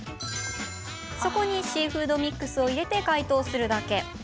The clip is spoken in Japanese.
そこに、シーフードミックスを入れて解凍するだけ。